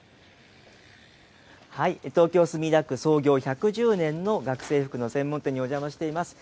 東京・墨田区、創業１１０年の学生服の専門店にお邪魔しています。